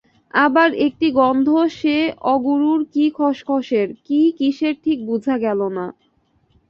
আবার একটি গন্ধ–সে অগুরুর কি খসখসের, কি কিসের ঠিক বুঝা গেল না।